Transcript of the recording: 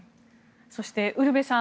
そして、ウルヴェさん